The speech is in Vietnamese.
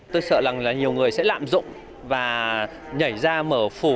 tôi sợ rằng là nhiều người sẽ lạm dụng và nhảy ra mở phủ